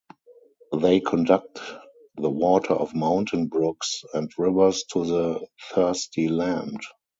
They conduct the water of mountain brooks and rivers to the thirsty land.